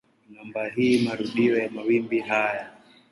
Namba hii ni marudio ya mawimbi haya.